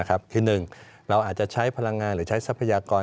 คือ๑เราอาจจะใช้พลังงานหรือใช้ทรัพยากร